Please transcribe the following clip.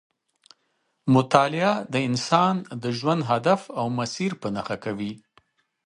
مطالعه د انسان د ژوند هدف او مسیر په نښه کوي.